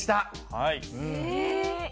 はい。